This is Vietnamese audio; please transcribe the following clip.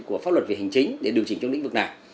của pháp luật về hành chính để điều chỉnh trong lĩnh vực này